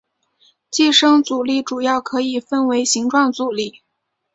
寄生阻力主要可以分为形状阻力。